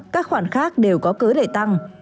các khoản khác đều có cớ để tăng